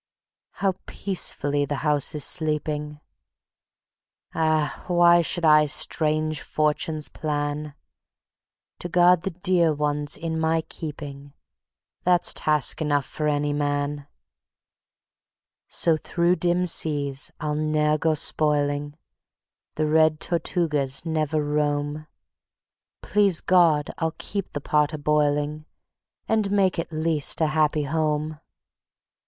How peacefully the house is sleeping! Ah! why should I strange fortunes plan? To guard the dear ones in my keeping That's task enough for any man. So through dim seas I'll ne'er go spoiling; The red Tortugas never roam; Please God! I'll keep the pot a boiling, And make at least a happy home.